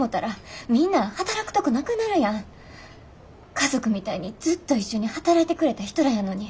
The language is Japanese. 家族みたいにずっと一緒に働いてくれた人らやのに。